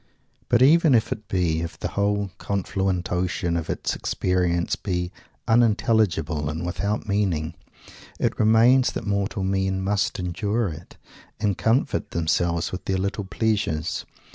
But even if it be if the whole confluent ocean of its experiences be unintelligible and without meaning; it remains that mortal men must endure it, and comfort themselves with their "little pleasures."